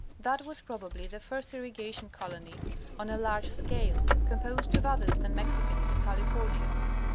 That was probably the first irrigation colony, on a large scale, composed of others than Mexicans, in California.